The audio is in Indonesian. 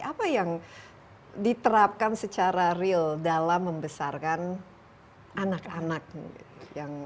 apa yang diterapkan secara real dalam membesarkan anak anak yang